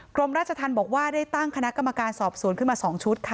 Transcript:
กรมราชธรรมบอกว่าได้ตั้งคณะกรรมการสอบสวนขึ้นมา๒ชุดค่ะ